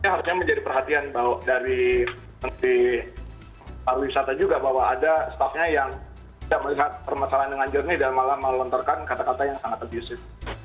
ini harusnya menjadi perhatian dari menteri pariwisata juga bahwa ada staffnya yang tidak melihat permasalahan dengan jernih dan malah melontarkan kata kata yang sangat abusive